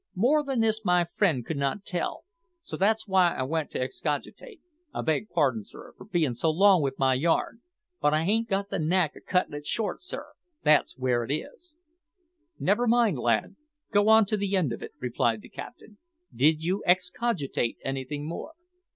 More than this my friend could not tell, so that's w'y I went to excogitate. I beg parding, sir, for being so long wi' my yarn, but I ain't got the knack o' cuttin' it short, sir, that's w'ere it is." "Never mind, lad; go on to the end of it," replied the captain. "Did you excogitate anything more?"